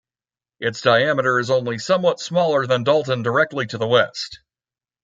Its diameter is only somewhat smaller than Dalton directly to the west.